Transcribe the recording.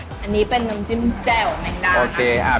อันนี้เป็นน้ำจิ้มเจ่วแมงดา